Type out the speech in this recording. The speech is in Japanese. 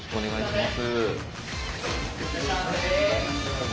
いらっしゃいませ。